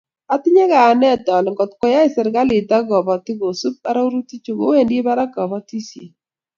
Otinye kayanet ale ngotkoyai serkali ak kobotik kosub arorutichu kowendi barak kobotisiet